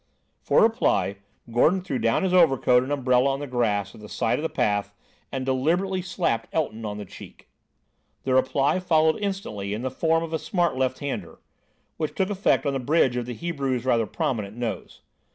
For reply, Gordon threw down his overcoat and umbrella on the grass at the side of the path, and deliberately slapped Elton on the cheek. The reply followed instantly in the form of a smart left hander, which took effect on the bridge of the Hebrew's rather prominent nose.